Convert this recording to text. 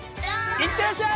いってらっしゃい！